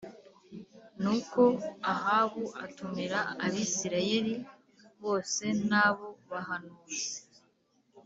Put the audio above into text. Nuko Ahabu atumira Abisirayeli bose n’abo bahanuzi